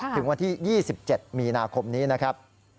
ถึงวันที่๒๗มีนาคมนี้นะครับ